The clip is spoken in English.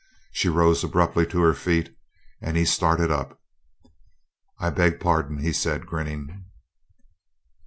She rose abruptly to her feet and he started up. "I beg pardon," he said, grinning.